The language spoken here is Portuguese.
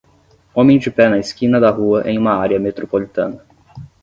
homem de pé na esquina da rua em uma área metropolitana.